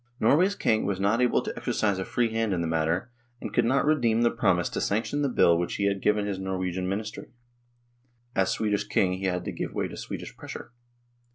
Norway's king was not able to exercise a free hand in the matter, and could not redeem the promise to sanction the bill which he had given his Norwegian Ministry ; as THE HISTORY OF THE UNION 41 Swedish King he had to give way to Swedish pressure.